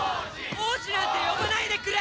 王子なんて呼ばないでくれ！